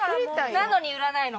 なのに売らないの。